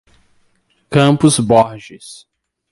Campos Borges